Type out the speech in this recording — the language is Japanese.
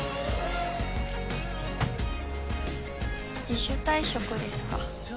自主退職ですか。